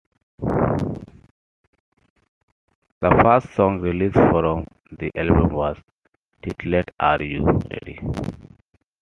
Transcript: The first song released from the album was titled Are You Ready?